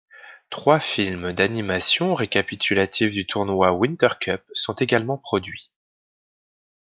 Trois films d'animation récapitulatif du tournoi Winter Cup sont également produits.